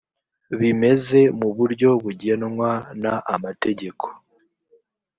bimeze mu buryo bugenwa n amategeko